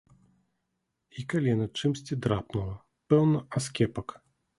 І калена чымсьці драпнула, пэўна аскепак.